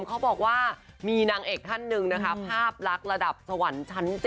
เขาบอกว่ามีนางเอกท่านหนึ่งนะคะภาพลักษณ์ระดับสวรรค์ชั้น๗